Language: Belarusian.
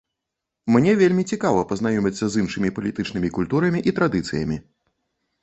Мне вельмі цікава пазнаёміцца з іншымі палітычнымі культурамі і традыцыямі.